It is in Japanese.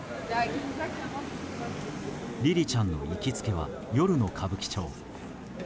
りりちゃんの行きつけは夜の歌舞伎町。